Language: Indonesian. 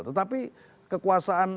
tetapi kekuasaan mereka yang diwajibkan juga